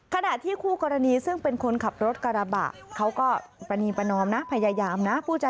ขณะที่คู่กรณีซึ่งเป็นคนขับรถกระบะเขาก็ประนีประนอมนะพยายามนะ